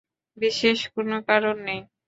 বিশেষ কোনও কারণ নেই।